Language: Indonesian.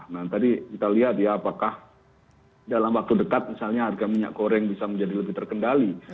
nah tadi kita lihat ya apakah dalam waktu dekat misalnya harga minyak goreng bisa menjadi lebih terkendali